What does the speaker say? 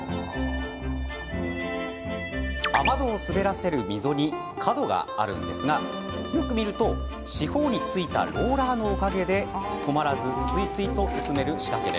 雨戸を滑らせる溝に角があるんですが、よく見ると四方についたローラーのおかげで止まらず、すいすいと進める仕掛け。